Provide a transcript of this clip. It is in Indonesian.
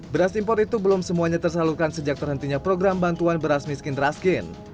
beras impor itu belum semuanya tersalurkan sejak terhentinya program bantuan beras miskin raskin